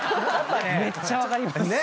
めっちゃ分かります！